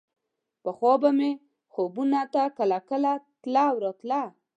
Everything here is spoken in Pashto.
پخوا به مې خوبونو ته کله کله تله او راتله.